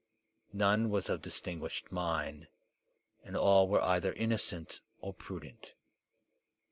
None was of distinguished mind, and all were either innocent or prudent.